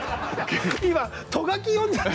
今ト書き読んじゃった！